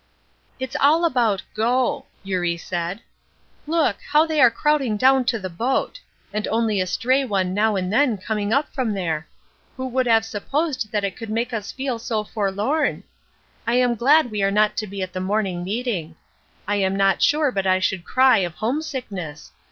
"It's all about 'go,'" Eurie said: "Look! How they are crowding down to the boat; and only a stray one now and then coming up from there. Who would have supposed it could make us feel so forlorn? I am glad we are not to be at the morning meeting. I am not sure but I should cry of homesickness.